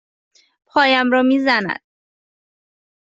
پایم را می زند.